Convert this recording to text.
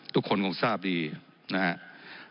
ทุกคนคงทราบดีนะครับ